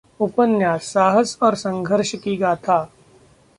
उपन्यास: साहस और संघर्ष की गाथा